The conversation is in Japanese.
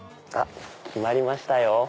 決まりましたよ。